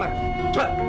masuk kamar cepat